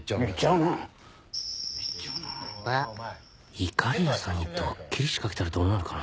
いかりやさんにドッキリ仕掛けたらどうなるかな？